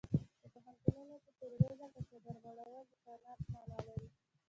په پوهنتونونو کې تروريزم ته څادر غوړول د فناه مانا لري.